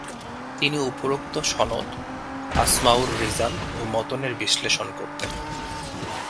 তিনি উপরােক্ত সনদ, আসমাউর রিজাল ও মতনের বিশ্লেষণ করতেন।